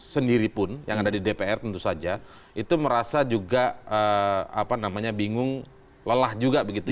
sendiri pun yang ada di dpr tentu saja itu merasa juga bingung lelah juga begitu